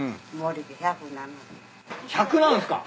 １００なんすか？